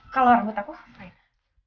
kalau rambut aku apa itu